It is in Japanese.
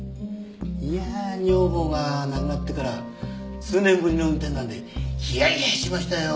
いやあ女房が亡くなってから数年ぶりの運転なんでひやひやしましたよ。